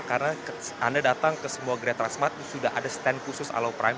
karena anda datang ke semua great transmart sudah ada stand khusus alo prime